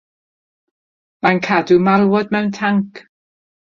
Mae o'n cadw malwod mewn tanc.